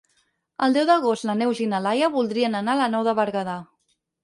El deu d'agost na Neus i na Laia voldrien anar a la Nou de Berguedà.